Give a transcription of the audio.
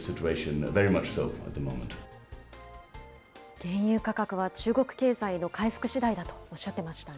原油価格は中国経済の回復しだいだとおっしゃってましたね。